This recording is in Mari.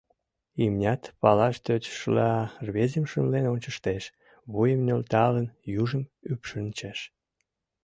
Имнят, палаш тӧчышыла, рвезым шымлен ончыштеш, вуйым нӧлталын, южым ӱпшынчеш.